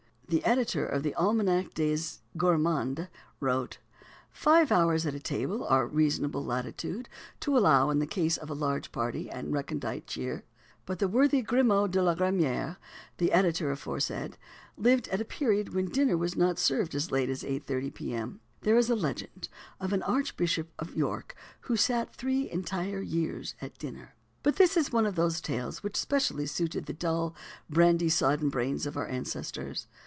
The editor of the Almanach des Gourmands wrote: "Five hours at table are a reasonable latitude to allow in the case of a large party and recondite cheer." But the worthy Grimod de la Reymière, the editor aforesaid, lived at a period when dinner was not served as late as 8.30 P.M. There is a legend of an Archbishop of York "who sat three entire years at dinner." But this is one of those tales which specially suited the dull, brandy sodden brains of our ancestors.